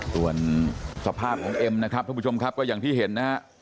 ส่วนสภาพของเอ็มนะครับทุกผู้ชมครับก็อย่างที่เห็นนะฮะ